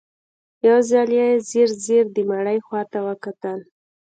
يو ځل يې ځير ځير د مړي خواته وکتل.